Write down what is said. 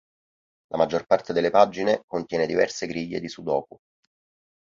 La maggior parte delle pagine contiene diverse griglie di sudoku.